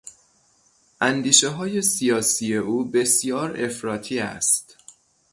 اندیشههای سیاسی او بسیار افراطی است.